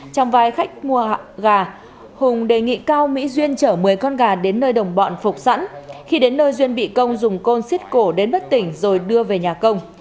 trong vai khách mua gà hùng đề nghị cao mỹ duyên chở một mươi con gà đến nơi đồng bọn phục sẵn khi đến nơi duyên bị công dùng côn xít cổ đến bất tỉnh rồi đưa về nhà công